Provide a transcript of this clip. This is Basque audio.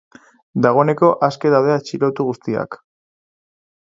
Dagoeneko aske daude atxilotu guztiak.